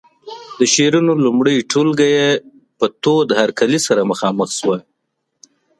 د شعرونو لومړنۍ ټولګه یې په تود هرکلي سره مخامخ شوه.